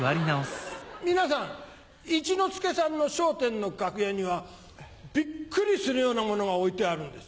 皆さん一之輔さんの『笑点』の楽屋にはびっくりするような物が置いてあるんです。